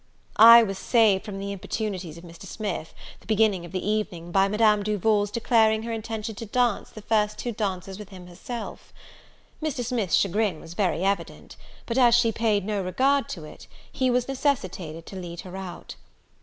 I was saved from the importunities of Mr. Smith, the beginning of the evening, by Madame Duval's declaring her intention to dance the first two dances with him herself. Mr. Smith's chagrin was very evident; but as she paid no regard to it, he was necessitated to lead her out.